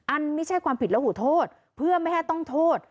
ไม่ใช่ความผิดและหูโทษเพื่อไม่ให้ต้องโทษ